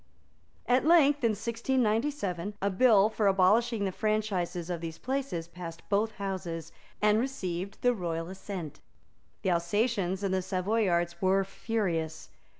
At length, in 1697, a bill for abolishing the franchises of these places passed both Houses, and received the royal assent. The Alsatians and Savoyards were furious.